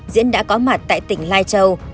diễn đã có mặt tại tỉnh lai châu